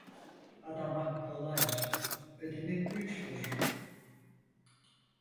Adamak kolay, ödemek güçtür.